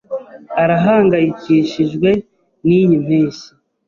Arahangayikishijwe niyi mpeshyi